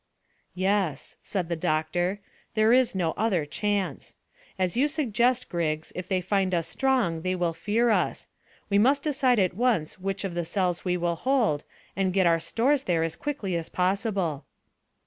"Yes," said the doctor; "there is no other chance. As you suggest, Griggs, if they find us strong they will fear us. We must decide at once which of the cells we will hold, and get our stores there as quickly as possible."